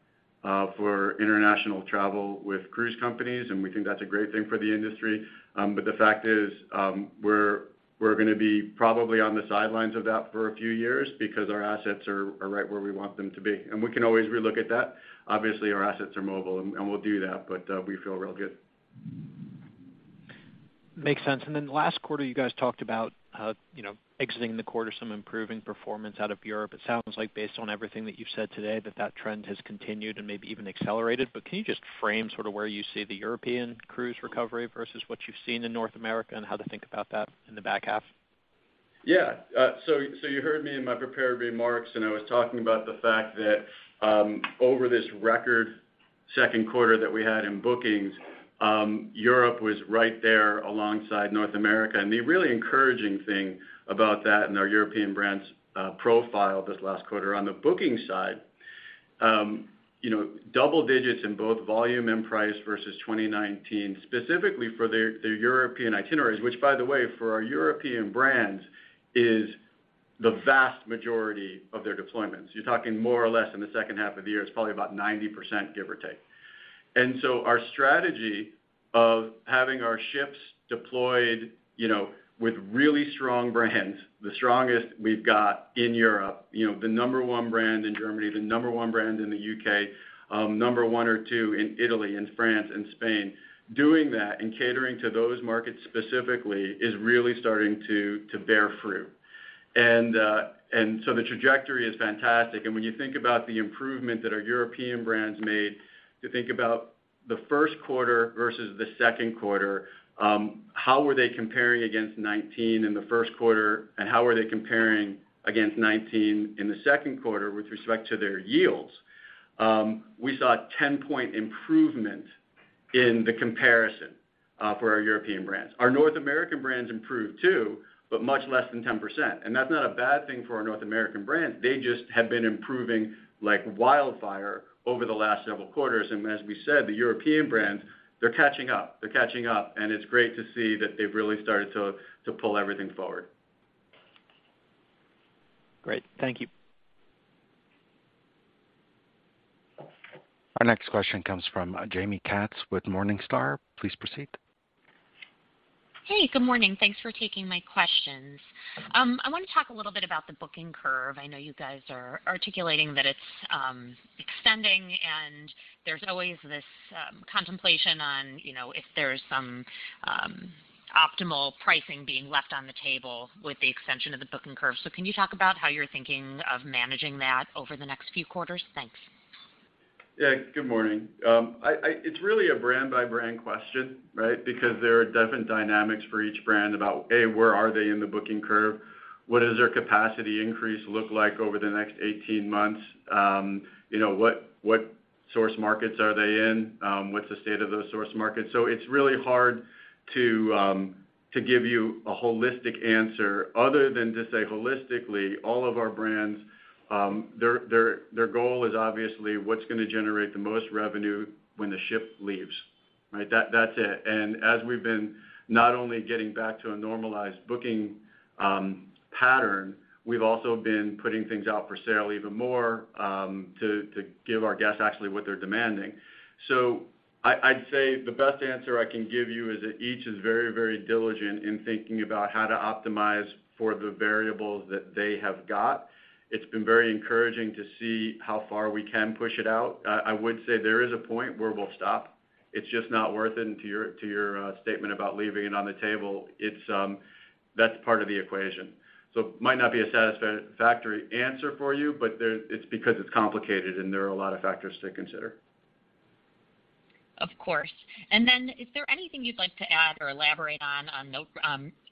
for international travel with cruise companies, and we think that's a great thing for the industry. The fact is, we're gonna be probably on the sidelines of that for a few years because our assets are right where we want them to be. We can always relook at that. Obviously, our assets are mobile, and we'll do that, we feel real good. Makes sense. Last quarter, you guys talked about, you know, exiting the quarter, some improving performance out of Europe. It sounds like based on everything that you've said today, that that trend has continued and maybe even accelerated. Can you just frame sort of where you see the European cruise recovery versus what you've seen in North America and how to think about that in the back half? So you heard me in my prepared remarks, I was talking about the fact that, over this record second quarter that we had in bookings, Europe was right there alongside North America. The really encouraging thing about that in our European brands' profile this last quarter on the booking side, you know, double digits in both volume and price versus 2019, specifically for their European itineraries, which, by the way, for our European brands, is the vast majority of their deployments. You're talking more or less in the second half of the year, it's probably about 90%, give or take. Our strategy of having our ships deployed, you know, with really strong brands, the strongest we've got in Europe, you know, the number one brand in Germany, the number one brand in the UK, number one or two in Italy and France and Spain. Doing that and catering to those markets specifically is really starting to bear fruit. The trajectory is fantastic. When you think about the improvement that our European brands made, you think about the first quarter versus the second quarter, how were they comparing against 2019 in the first quarter, and how were they comparing against 2019 in the second quarter with respect to their yields? We saw a 10-point improvement in the comparison for our European brands. Our North American brands improved too, but much less than 10%. That's not a bad thing for our North American brands. They just have been improving like wildfire over the last several quarters. As we said, the European brands, they're catching up. They're catching up, and it's great to see that they've really started to pull everything forward. Great. Thank you. Our next question comes from Jaime Katz with Morningstar. Please proceed. Hey, good morning. Thanks for taking my questions. I want to talk a little bit about the booking curve. I know you guys are articulating that it's extending, and there's always this contemplation on, you know, if there's some optimal pricing being left on the table with the extension of the booking curve. Can you talk about how you're thinking of managing that over the next few quarters? Thanks. Yeah, good morning. It's really a brand-by-brand question, right? There are different dynamics for each brand about, A, where are they in the booking curve? What does their capacity increase look like over the next 18 months? you know, what source markets are they in? What's the state of those source markets? It's really hard to give you a holistic answer other than to say, holistically, all of our brands, their goal is obviously, what's gonna generate the most revenue when the ship leaves, right? That's it. As we've been not only getting back to a normalized booking pattern, we've also been putting things out for sale even more to give our guests actually what they're demanding. I'd say the best answer I can give you is that each is very, very diligent in thinking about how to optimize for the variables that they have got. It's been very encouraging to see how far we can push it out. I would say there is a point where we'll stop. It's just not worth it. To your, to your statement about leaving it on the table, it's. That's part of the equation. It might not be a satisfactory answer for you, but it's because it's complicated, and there are a lot of factors to consider. Of course. Is there anything you'd like to add or elaborate on the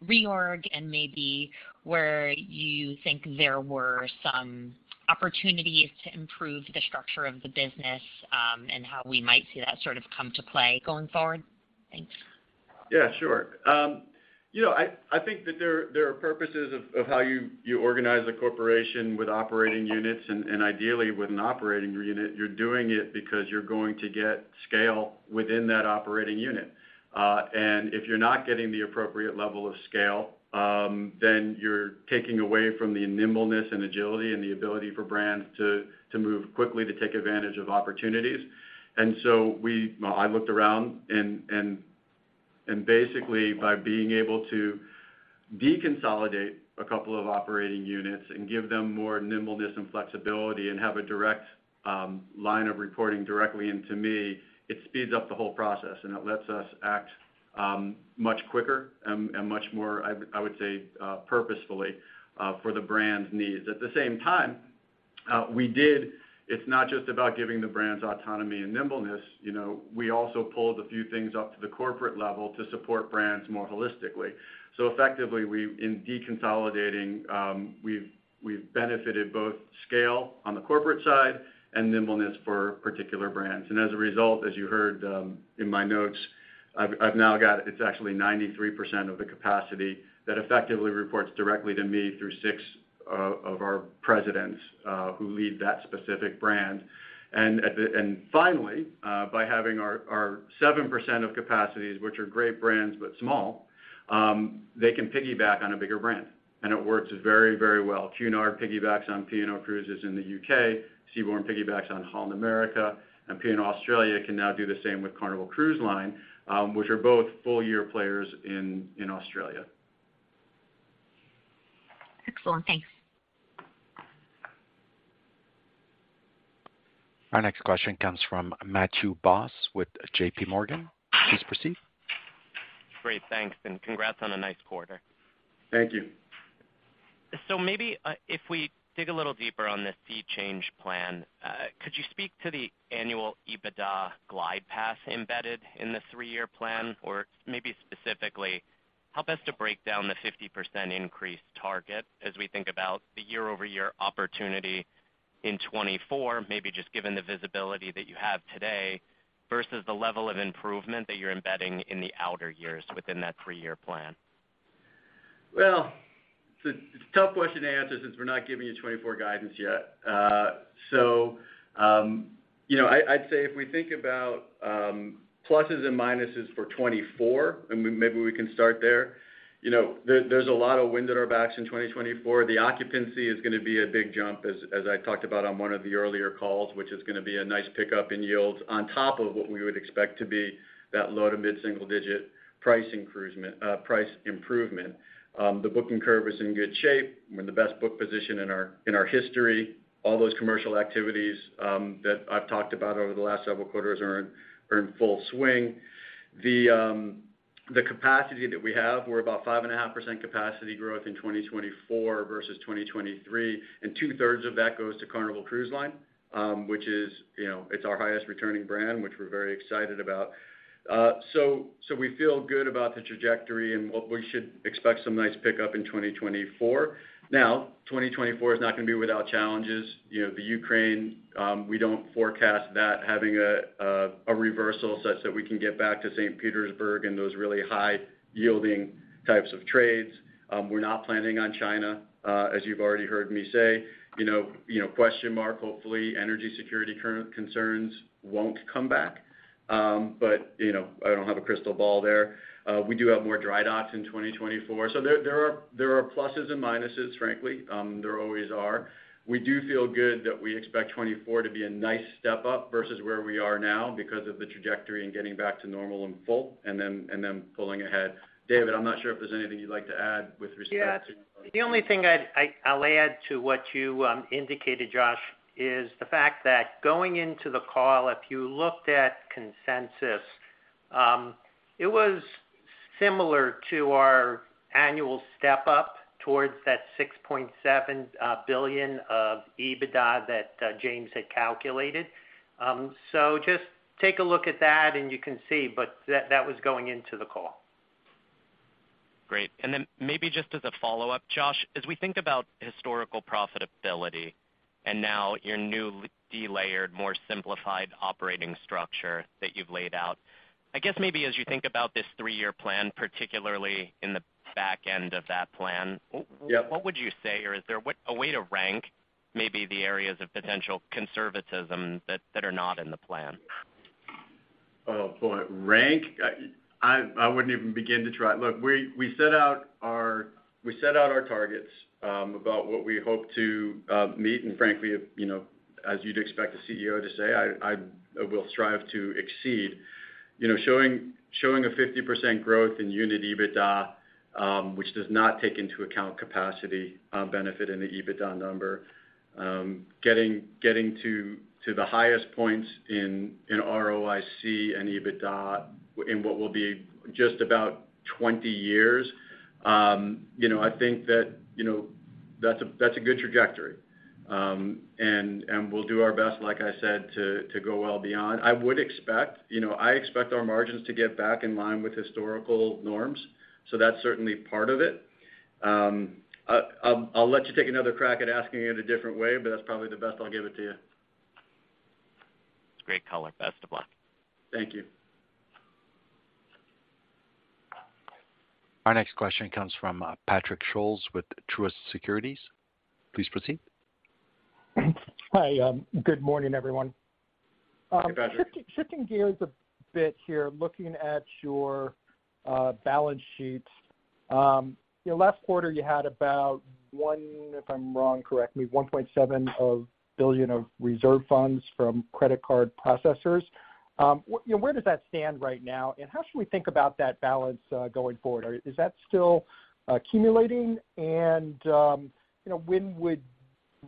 reorg and maybe where you think there were some opportunities to improve the structure of the business, and how we might see that sort of come to play going forward? Thanks. Yeah, sure. you know, I think that there are purposes of how you organize a corporation with operating units, and ideally, with an operating unit, you're doing it because you're going to get scale within that operating unit. If you're not getting the appropriate level of scale, then you're taking away from the nimbleness and agility and the ability for brands to move quickly to take advantage of opportunities. I looked around and basically by being able to deconsolidate a couple of operating units and give them more nimbleness and flexibility and have a direct line of reporting directly into me, it speeds up the whole process, and it lets us act much quicker and much more, I would say, purposefully for the brand's needs. At the same time... We did. It's not just about giving the brands autonomy and nimbleness, you know, we also pulled a few things up to the corporate level to support brands more holistically. Effectively, we in deconsolidating, we've benefited both scale on the corporate side and nimbleness for particular brands. As a result, as you heard in my notes, I've now got it's actually 93% of the capacity that effectively reports directly to me through six of our presidents who lead that specific brand. Finally, by having our 7% of capacities, which are great brands, but small, they can piggyback on a bigger brand, and it works very, very well. Cunard piggybacks on P&O Cruises in the U.K., Seabourn piggybacks on Holland America, and P&O Australia can now do the same with Carnival Cruise Line, which are both full-year players in Australia. Excellent. Thanks. Our next question comes from Matthew Boss with JP Morgan. Please proceed. Great, thanks, and congrats on a nice quarter. Thank you. Maybe, if we dig a little deeper on this SEA Change plan, could you speak to the annual EBITDA glide path embedded in the three-year plan? Maybe specifically, help us to break down the 50% increase target as we think about the year-over-year opportunity in 2024, maybe just given the visibility that you have today, versus the level of improvement that you're embedding in the outer years within that three-year plan. It's a tough question to answer since we're not giving you 2024 guidance yet. You know, I'd say if we think about pluses and minuses for 2024, and maybe we can start there, you know, there's a lot of wind at our backs in 2024. The occupancy is gonna be a big jump, as I talked about on one of the earlier calls, which is gonna be a nice pickup in yields on top of what we would expect to be that low to mid-single digit price improvement. The booking curve is in good shape. We're in the best book position in our history. All those commercial activities that I've talked about over the last several quarters are in full swing. The capacity that we have, we're about 5.5% capacity growth in 2024 versus 2023, and two-thirds of that goes to Carnival Cruise Line, which is, you know, it's our highest returning brand, which we're very excited about. So we feel good about the trajectory and what we should expect some nice pickup in 2024. Now, 2024 is not going to be without challenges. You know, Ukraine, we don't forecast that having a reversal such that we can get back to St. Petersburg and those really high-yielding types of trades. We're not planning on China, as you've already heard me say. You know, question mark, hopefully, energy security current concerns won't come back. But, you know, I don't have a crystal ball there. We do have more dry docks in 2024. There are pluses and minuses, frankly, there always are. We do feel good that we expect 2024 to be a nice step up versus where we are now because of the trajectory and getting back to normal and full, and then pulling ahead. David Bernstein, I'm not sure if there's anything you'd like to add with respect to... The only thing I'll add to what you indicated, Josh, is the fact that going into the call, if you looked at consensus, it was similar to our annual step up towards that $6.7 billion of EBITDA that James had calculated. Just take a look at that and you can see, but that was going into the call. Great. Maybe just as a follow-up, Josh, as we think about historical profitability and now your new delayered, more simplified operating structure that you've laid out, I guess maybe as you think about this three-year plan, particularly in the back end of that plan- Yep. what would you say, or is there a way to rank maybe the areas of potential conservatism that are not in the plan? Oh, boy! Rank? I wouldn't even begin to try. Look, we set out our targets, about what we hope to meet. frankly, you know, as you'd expect a CEO to say, I will strive to exceed. You know, showing a 50% growth in unit EBITDA, which does not take into account capacity benefit in the EBITDA number. getting to the highest points in ROIC and EBITDA in what will be just about 20 years, you know, I think that, you know, that's a, that's a good trajectory. and we'll do our best, like I said, to go well beyond. I would expect You know, I expect our margins to get back in line with historical norms, that's certainly part of it. I'll let you take another crack at asking it a different way, but that's probably the best I'll give it to you. Great color. Best of luck. Thank you. Our next question comes from Patrick Scholes with Truist Securities. Please proceed. Hi. Good morning, everyone. Hey, Patrick. Shifting gears a bit here, looking at your balance sheet. Your last quarter, you had about, if I'm wrong, correct me, $1.7 billion of reserve funds from credit card processors. You know, where does that stand right now, and how should we think about that balance going forward? Is that still accumulating? You know, when would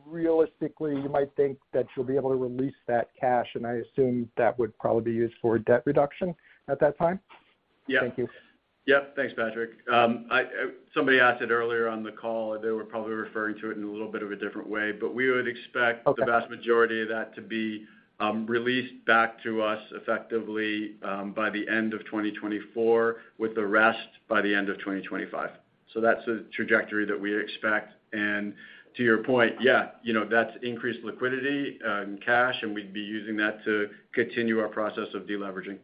realistically you might think that you'll be able to release that cash, and I assume that would probably be used for debt reduction at that time?... Yeah. Yep, thanks, Patrick. I, somebody asked it earlier on the call, they were probably referring to it in a little bit of a different way. Okay. the vast majority of that to be released back to us effectively by the end of 2024, with the rest by the end of 2025. That's the trajectory that we expect. To your point, yeah, you know, that's increased liquidity in cash, and we'd be using that to continue our process of deleveraging.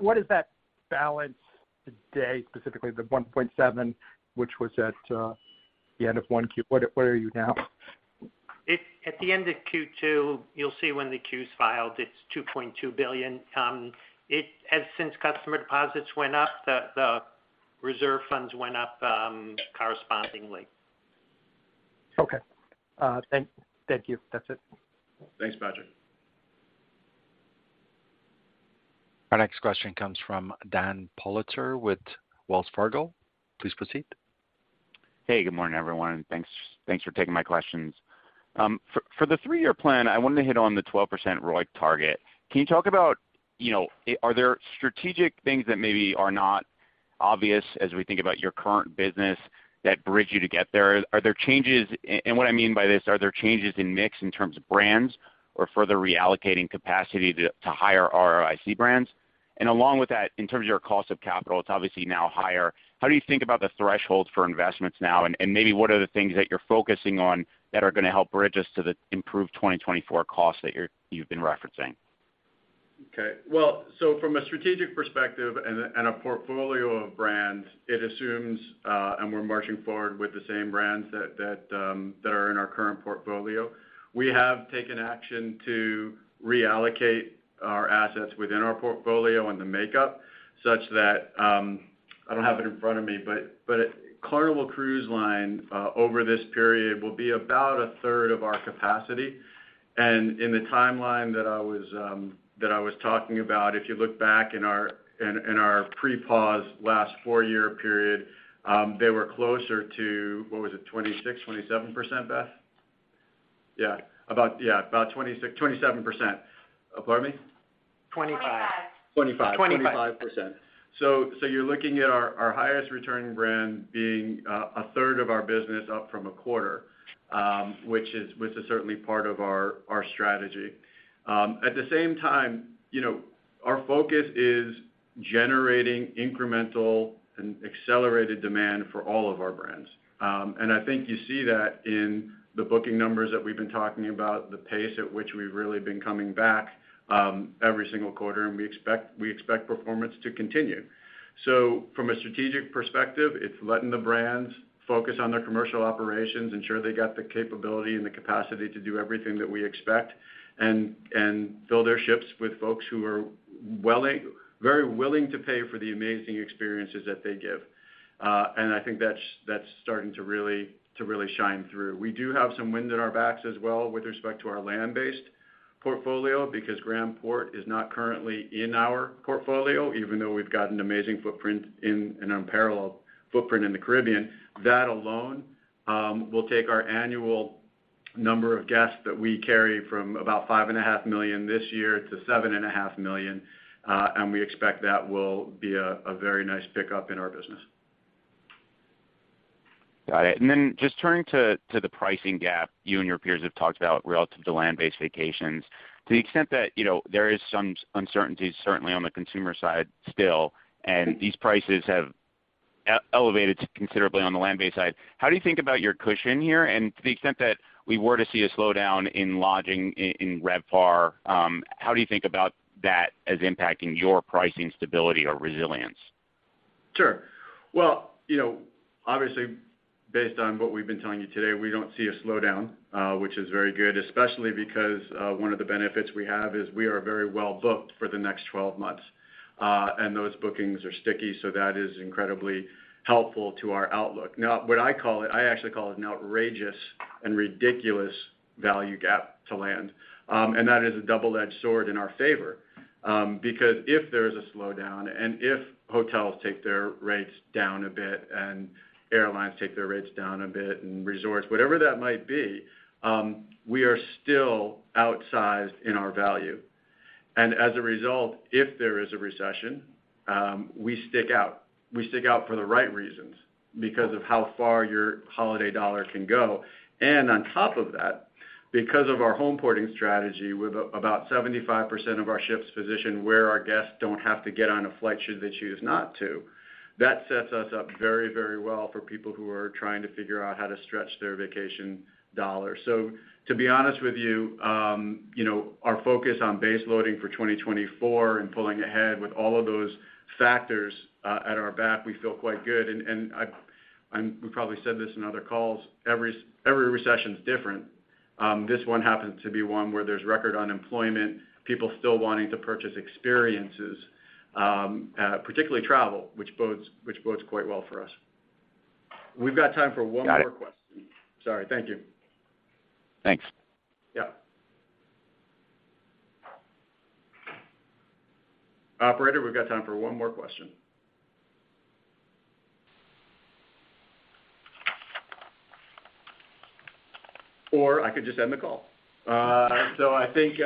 What is that balance today, specifically the $1.7, which was at the end of Q1? What, where are you now? It's at the end of Q2, you'll see when the Q's filed, it's $2.2 billion. Since customer deposits went up, the reserve funds went up, correspondingly. Okay. Thank you. That's it. Thanks, Patrick. Our next question comes from Daniel Politzer with Wells Fargo. Please proceed. Hey, good morning, everyone, and thanks for taking my questions. For the three year plan, I wanted to hit on the 12% ROIC target. Can you talk about, you know, are there strategic things that maybe are not obvious as we think about your current business that bridge you to get there? What I mean by this, are there changes in mix in terms of brands or further reallocating capacity to higher ROIC brands? Along with that, in terms of your cost of capital, it's obviously now higher. How do you think about the threshold for investments now? Maybe what are the things that you're focusing on that are going to help bridge us to the improved 2024 costs that you've been referencing? Okay. Well, from a strategic perspective and a portfolio of brands, it assumes, and we're marching forward with the same brands that are in our current portfolio. We have taken action to reallocate our assets within our portfolio and the makeup such that, I don't have it in front of me, but Carnival Cruise Line over this period will be about a third of our capacity. In the timeline that I was talking about, if you look back in our pre-pause last four-year period, they were closer to... What was it? 26%, 27%, Beth? Yeah, about 26%, 27%. Pardon me? Twenty-five. Twenty-five. 25%. You're looking at our highest returning brand being a third of our business up from a quarter, which is certainly part of our strategy. At the same time, you know, our focus is generating incremental and accelerated demand for all of our brands. I think you see that in the booking numbers that we've been talking about, the pace at which we've really been coming back every single quarter, we expect performance to continue. From a strategic perspective, it's letting the brands focus on their commercial operations, ensure they got the capability and the capacity to do everything that we expect, and fill their ships with folks who are very willing to pay for the amazing experiences that they give. I think that's starting to really shine through. We do have some wind in our backs as well with respect to our land-based portfolio. is Grand Bahama not currently in our portfolio, even though we've got an unparalleled footprint in the Caribbean. That alone will take our annual number of guests that we carry from about $5.5 million this year to $7.5 million. We expect that will be a very nice pickup in our business. Got it. Just turning to the pricing gap you and your peers have talked about relative to land-based vacations. To the extent that, you know, there is some uncertainty, certainly on the consumer side still, and these prices have elevated considerably on the land-based side, how do you think about your cushion here? To the extent that we were to see a slowdown in lodging, in RevPAR, how do you think about that as impacting your pricing stability or resilience? Sure. Well, you know, obviously, based on what we've been telling you today, we don't see a slowdown, which is very good, especially because one of the benefits we have is we are very well-booked for the next 12 months. Those bookings are sticky, so that is incredibly helpful to our outlook. Now, what I call it, I actually call it an outrageous and ridiculous value gap to land. That is a double-edged sword in our favor. Because if there is a slowdown, and if hotels take their rates down a bit and airlines take their rates down a bit and resorts, whatever that might be, we are still outsized in our value. As a result, if there is a recession, we stick out. We stick out for the right reasons because of how far your holiday dollar can go. On top of that, because of our homeporting strategy, with about 75% of our ships positioned where our guests don't have to get on a flight, should they choose not to, that sets us up very, very well for people who are trying to figure out how to stretch their vacation dollar. To be honest with you know, our focus on base loading for 2024 and pulling ahead with all of those factors at our back, we feel quite good. We probably said this in other calls, every recession is different. This one happens to be one where there's record unemployment, people still wanting to purchase experiences, particularly travel, which bodes quite well for us. We've got time for one more question. Got it. Sorry. Thank you. Thanks. Yeah. Operator, we've got time for one more question. I could just end the call. I think,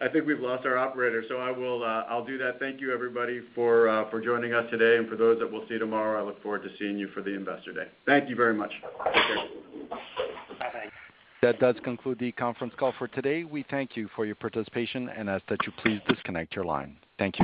I think we've lost our operator, so I will, I'll do that. Thank you, everybody, for joining us today. For those that we'll see you tomorrow, I look forward to seeing you for the Investor Day. Thank you very much. Take care. Bye, bye. That does conclude the conference call for today. We thank you for your participation and ask that you please disconnect your line. Thank you.